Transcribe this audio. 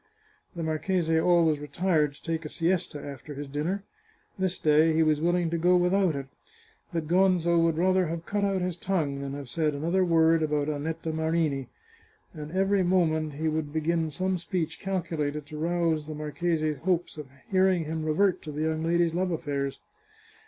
The marchese always retired to take a siesta after his din ner. This day he was willing to go without it. But Gonzo 522 The Chartreuse of Parma would rather have cut out his tongue than have said another word about Annetta Marini ; and every moment he would begin some speech calculated to rouse the marchese's hopes of hearing him revert to the young lady's love aflfairs.